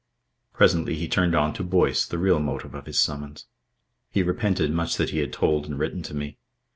Presently he turned on to Boyce, the real motive of his summons. He repented much that he had told and written to me.